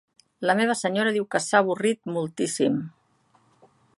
La meva Senyora diu que s'ha "avorrit moltíssim".